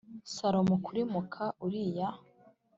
Salomo kuri muka Uriya